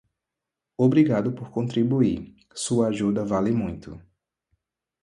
Obrigado por contribuir, sua ajuda vale muito.